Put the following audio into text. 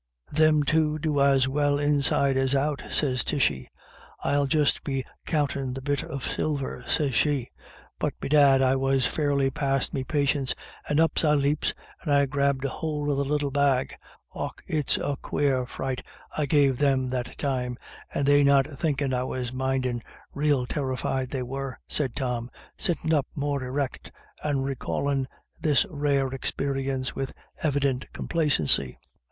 "'Thim two'U do as well inside as out,' sez Tishy. ' I'll just be countin' the bit of silver,' sez she. But bedad I was fairly past me patience, and up I leps, and I grabbed a hould of the little bag. Och, it's a quare fright I gave them that time, and they not thinkin' I was mindin', rael ter rified they were," said Tom, sitting up more erect, and recalling this rare experience with evident complacency.